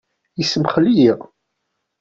Ismuxell-iyi.